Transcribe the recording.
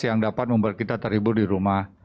yang dapat membuat kita terhibur di rumah